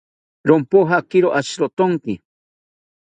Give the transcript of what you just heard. Rompojakiro ashitakontzi